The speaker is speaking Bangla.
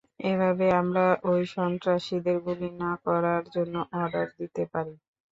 এভাবেই আমরা ওই সন্ত্রাসীদের গুলি না করার জন্য অর্ডার দিতে পারি।